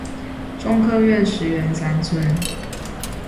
中科院石園三村